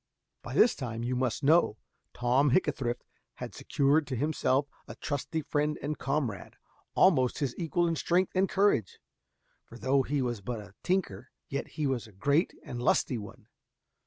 By this time, you must know, Tom Hickathrift had secured to himself a trusty friend and comrade, almost his equal in strength and courage, for though he was but a tinker, yet he was a great and lusty one.